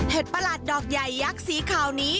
ประหลาดดอกใหญ่ยักษ์สีขาวนี้